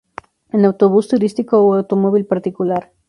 En autobús turístico o automóvil particular.